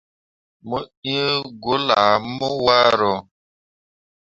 Mo iŋ gwulle ah mo waro.